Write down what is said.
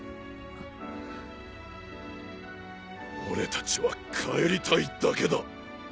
俺たちは帰りたいだけだ！